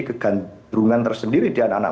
kegaduhan tersendiri di anak anak